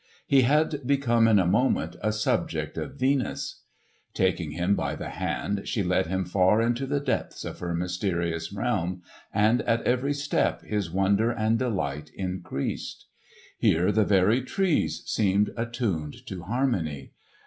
He had become in a moment a subject of Venus. Taking him by the hand she led him far into the depths of her mysterious realm, and at every step his wonder and delight increased. Here the very trees seemed attuned to harmony.